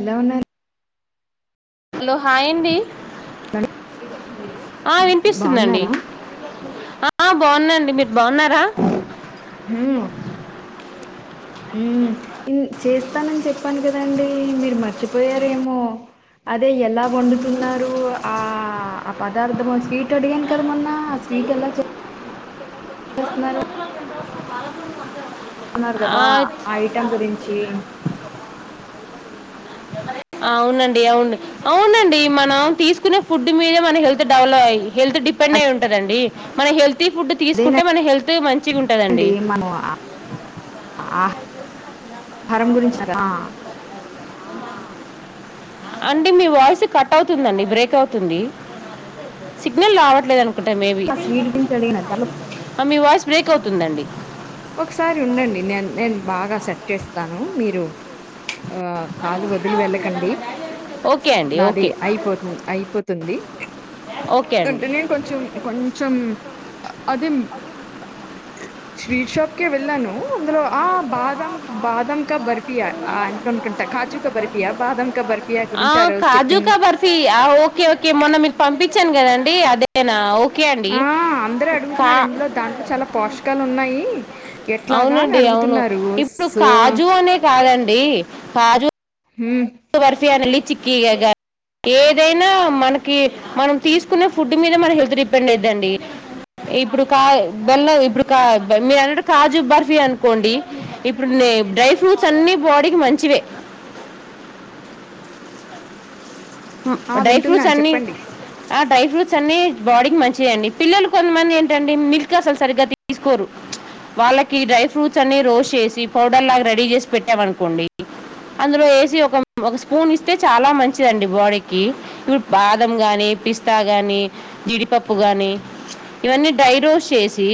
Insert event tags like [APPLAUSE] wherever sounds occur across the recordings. ఎలా ఉన్నార్ హలో హాయండి ఆ వినిపిస్తుందండి బాగున్నారా ఆ ఆ బాగున్నాండి మీరు బాగున్నారా మ్ మ్ చేస్తానని చెప్పాను కదండి మీరు మర్చిపోయారేమో అదే ఎలా వండుతున్నారు ఆ ఆ పదార్థం స్వీట్ అడిగాను కదా మొన్న స్వ్వీట్ ఎలా చే చేస్తున్నారు అన్నారు ఆ కదా ఆ ఐటం గురించి అవునండి అవునుడి అవునండి మనం తీసుకునే ఫుడ్ మీదే మన హెల్త్ డెవల అయ్యి హెల్త్ డిపెండ్ డై ఉంటందండి మన హెల్తీ ఫుడ్ తీసుకుంటే అదేనండి మన హెల్త్ మంచిగా ఉంటుందండి మనం ఆ ఆహారం గురించి ఆ అండి మీ వాయిస్ కట్ అవుతుందండి బ్రేక్ అవుతుంది సిగ్నల్ రావట్లేదను కుంట బేబీ ఆ స్వీట్ గురించి అడిగిన దానిలో ఆ మీ వాయిస్ బ్రేక్ అవుతుందండి ఒకసారి ఉండండి నే నేను బాగా సెట్ చేస్తాను మీరు ఆ కాలు వదిలి వెళ్ళకండి ఓకే అండి నాది ఓకే అయిపోతు అయిపోతుంది ఓకే అండి టేనే నీను కొంచం కొంచం అదే స్వీట్ షాప్ కేళ్ళాను అందులో ఆ బాదం బాదం క బర్ఫీ అనుకునుకుంటా క ూ బర్పుయా బాదం క బర్ ఆ కాజుకా బర్ఫీ ఓకే ఓకే మొన్న మీకు పంపించాను కదండి అదేనా ఓ ఆ అందరడుగుతున్నారు అందులో దాంట్లో చాలా పోషకాలు ఉన్నాయి ఎట్లాగా అని అవునండి అవును అడుగుతున్నారు ఇప్పుడు సో కాజు అనే మ్మ్, బర్ఫియానలి చిక్కీ ఇగ ఏదైనా మనకి మనం తీసుకున్న ఫుడ్ మీద మన హెల్త్ డిపెండ్ అవుందండి ఇప్పుడు కాల్ల ఇప్పుడు మీరు అన్న కాజు బర్ఫీ అనుకోండి ఇప్పుడు న్ డ్రై ఫ్రూట్స్ అన్నిీ బాడీకి మంచివే [INAUDIBLE] మ్ ఆ డ్రై ఫ్రూట్స్ వింటున్నాను అన్ని చెప్పండి ఆ డ్రై ఫ్రూట్ అ బాడీకి మంచి అండి పిల్లలు కొంతమంది ఏంటండి మిల్క్ అసలు సరిగ్గా తీసుకోరు వాళ్ళకి డ్రై ఫ్రూట్స్ అన్ని రోస్ట్ చేసి పౌడర్ లాగా రెడీ చేసి పెట్టామనుకోండి అందులో వేసి ఒక ఒక స్పూన్ ఇస్తే చాలా మంచిదండి బాడీకి ఇప్పుడు బాదం గాని పిస్తా గాని జిడిపప్పు గాని ఇవన్నీ డ్రై రోస్ చేసి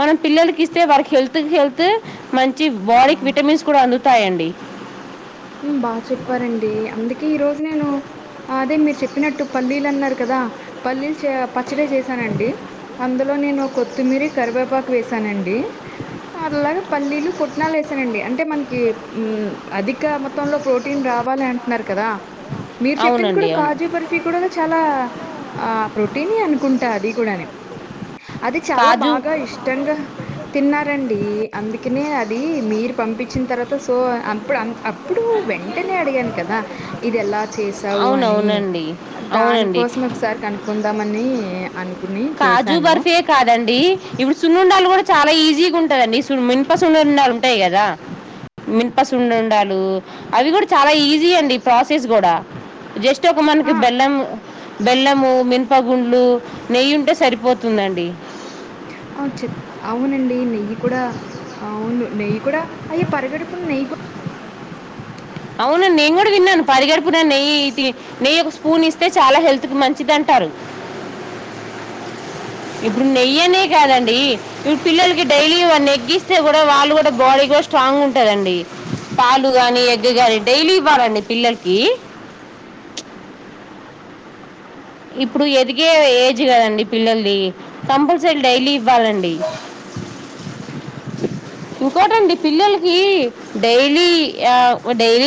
మనం పిల్లలకి ఇస్తే వాళ్కి హెల్త్ క్ హెల్త్ మం చి బాడీకి ఆ విటమిన్స్ కూడా అందుతాయండి మ్ బాగా చెప్పారండి అందుకే ఈ రోజ్ నేను అదే మీరు చెప్పినట్టు పల్లి అన్నారు కదా పల్లి చే ప చ్చడే చేసానండి అందులో నేను కొత్తిమీరి కరివేపాకు వేసానండి అలాగా పల్లీలు పుట్నాలు వేసానండి అంటే మనకి మ్ అది ఇంకా మొత్తంలో ప్రోటీన్ రావాలి అంటున్నారు కదా మీరు చెప్పింది కూడా అవునండి అవును కాజు బర్ఫి కూడా చాలా ఆ ప్రోటీన్ ఏ అన్ కుంటా అది కూడా అది చాలా కాజు బాగా ఇష్టంగా తిన్నారం అందుకనే అది మీరు పంపించిన తర్వాత సో అప్పుడు అన్ అప్ అప్పుడు వెంటనే అడిగాను కదా ఇది ఎలా చేసావు అని అవునవునండి అవునండి దానికోసం ఒకసారి కనుకుందామని అన్ కాజు బర్ఫీ కాదండి ఇప్పుడు సున్నుండలు కూడా చాలా ఈజీగా ఉంటదండి సు ఇనుప సున్నుండలు ఉంటాయి కదా మిినప సున్నుండలు అవి కూడా చాలా ఈజీ అండి ప్రాసెస్ కూడా జస్ట్ ఒక మనకి ఆ! బెల్లం బెల్లము మీన్ప గుండ్లు నెయ్యి ఉంటే సరిపోతుందండి అవు చెప్ అవునండి నెయ్యి కూడా అవును నె్యి కూడా అయ్య పరిగడపున నెయ్యి కూడా అవును నేను కూడా విన్నాను పరి గడుపునా నెయ్యి నెయ్యి ఒక స్పూన్ ఇస్తే చాలా హెల్త్ి మంచిదంట టరు అ ఇప్పుడు నెయ్యనే కాదండి ఇప్పుడు పిల్లలకి డైలీ నెగ్గిస్తే కూడా వాళ్ళు కూడా బాడీ కి ఎో స్ట్రాంగ్ ఉంటదండి పాలు గాని ఎగ్ గాని డైలీ ఇవ్వాలండి పిల్లలకి అ ఇప్పుడు ఎదిగే ఏజ్ కదండి పిల్లలది కంపల్సరీ డైలీ ఇవ్వాలండి అ ఇంకోటండి పిల్లలకి ఆ డైలీ డైలీ